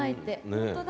本当だ。